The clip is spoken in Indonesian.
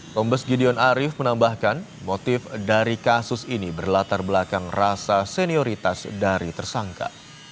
kombes gideon arief menambahkan motif dari kasus ini berlatar belakang rasa senioritas dari tersangka